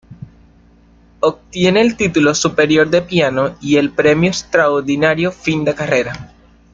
Obtiene el título Superior de piano y el Premio Extraordinario Fin de Carrera.